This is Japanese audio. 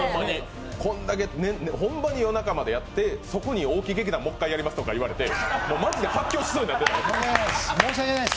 これだけホンマに夜中までやってそこに大木劇団もう一回やりますって言われてもうマジで発狂しそうになって。